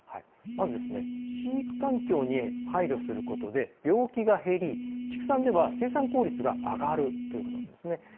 まず、飼育環境に配慮することで病気が減り、畜産では生産効率が上がるということなんですね。